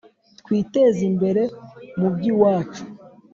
Twiteze imbere mu by’iwacu